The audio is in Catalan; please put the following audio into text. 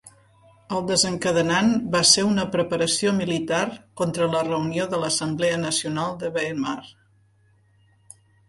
El desencadenant va ser una preparació militar contra la reunió de l'Assemblea Nacional de Weimar.